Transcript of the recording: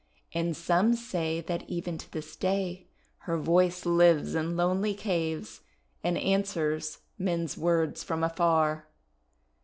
And some say that even to this day her voice lives in lonely caves, and answers men's words from afar.